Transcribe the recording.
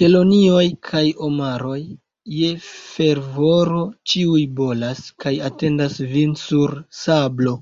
Kelonioj kaj omaroj je fervoro ĉiuj bolas, kaj atendas vin sur sablo!